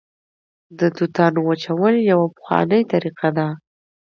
د توتانو وچول یوه پخوانۍ طریقه ده